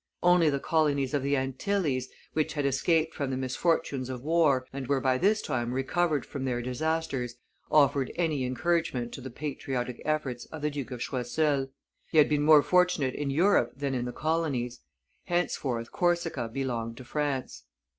Only the colonies of the Antilles, which had escaped from the misfortunes of war, and were by this time recovered from their disasters, offered any encouragement to the patriotic efforts of the Duke of Choiseul. He had been more fortunate in Europe than in the colonies: henceforth Corsica belonged to France.